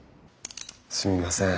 すいません。